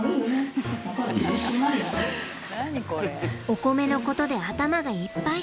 おこめのことで頭がいっぱい。